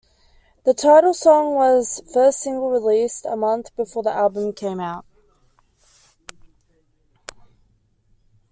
The title song was first single, released a month before the album came out.